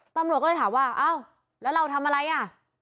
ตำรวจก็เลยถามว่าอ้าวแล้วเราทำอะไรอ่ะ